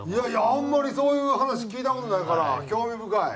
あんまりそういう話聞いた事ないから興味深い。